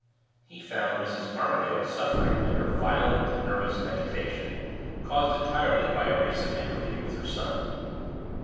He found Mrs. Armadale suffering under violent nervous agitation, caused entirely by a recent interview with her son.